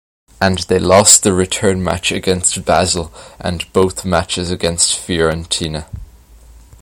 And they lost the return match against Basel and both matches against Fiorentina.